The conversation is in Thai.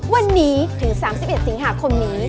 วันนี้ถึง๓๑สิงหาคมนี้